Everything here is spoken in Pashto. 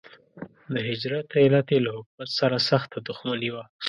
د هجرت علت یې له حکومت سره سخته دښمني وه.